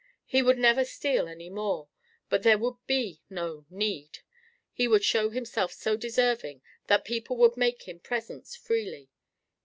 He would never steal any more, but there would be no need; he would show himself so deserving, that people would make him presents freely.